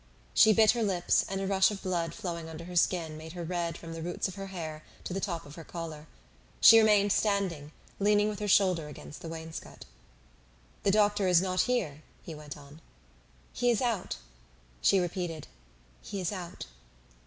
She bit her lips, and a rush of blood flowing under her skin made her red from the roots of her hair to the top of her collar. She remained standing, leaning with her shoulder against the wainscot. "The doctor is not here?" he went on. "He is out." She repeated, "He is out."